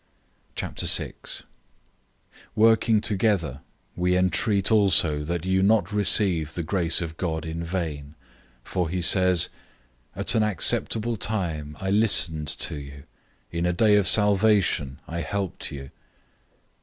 006:001 Working together, we entreat also that you not receive the grace of God in vain, 006:002 for he says, "At an acceptable time I listened to you, in a day of salvation I helped you."